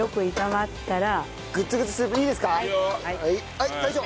はい大将！